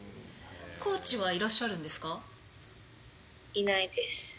コーチはいらっしゃるんですいないです。